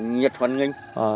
nhất hoàn nghênh